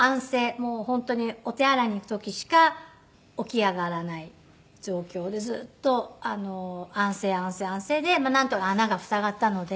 もう本当にお手洗いに行く時しか起き上がらない状況でずっと安静安静安静でなんとか穴が塞がったので。